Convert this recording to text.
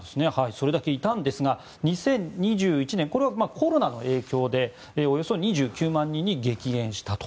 それだけいたんですが２０２１年これはコロナの影響でおよそ２９万人に激減したと。